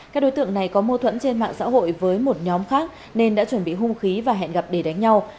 các đối tượng này có mâu thuẫn trên mạng xã hội với một nhóm khác nên đã chuẩn bị hung khí và hẹn gặp để đánh nhau